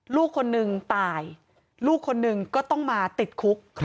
ลูกคนหนึ่งตายลูกคนหนึ่งก็ต้องมาติดคุก